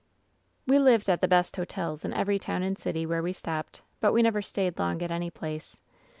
"We lived at the best hotels in every town and city where we stopped, but we never stayed long at any place.